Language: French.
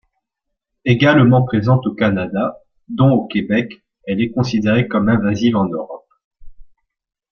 Également présente au Canada, dont au Québec, elle est considérée comme invasive en Europe.